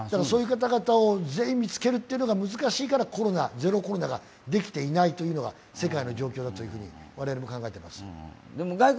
だからそういう方々を見つけるのが難しいから、ゼロコロナができていないというのが世界の状況だと我々は考えています。